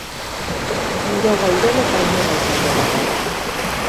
Giro goibel eta umela izango da gaur.